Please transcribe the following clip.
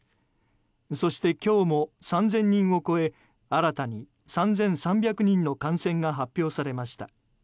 そして今日も３０００人を超え新たに３３００人の感染が発表されました。